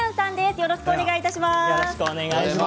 よろしくお願いします。